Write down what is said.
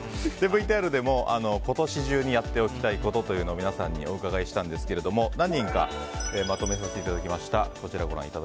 ＶＴＲでも今年中にやっておきたいこと皆さんにお伺いしたんですが何人かまとめさせていただきました。